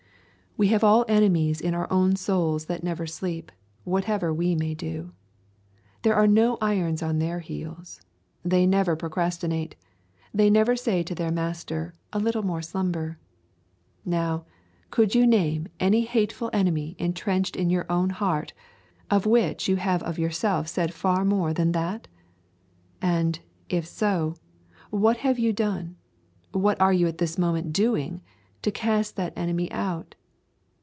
We have all enemies in our own souls that never sleep, whatever we may do. There are no irons on their heels. They never procrastinate. They never say to their master, A little more slumber. Now, could you name any hateful enemy entrenched in your own heart, of which you have of yourself said far more than that? And, if so, what have you done, what are you at this moment doing, to cast that enemy out?